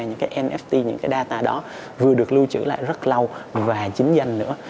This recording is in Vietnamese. những cái nft những cái data đó vừa được lưu trữ lại rất lâu và chính danh nữa